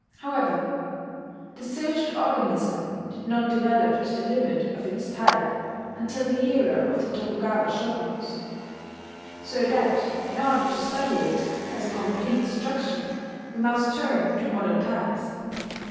However, the social organism did not develop to the limit of its type until the era of the Tokugawa shoguns, so that, in order to study it as a completed structure, we must turn to modern times.